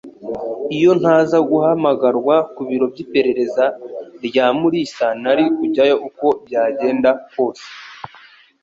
Iyo ntaza guhamagarwa ku biro by'iperereza rya Mulisa, nari kujyayo uko byagenda kose.